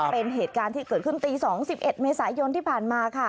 เป็นเหตุการณ์ที่เกิดขึ้นตี๒๑เมษายนที่ผ่านมาค่ะ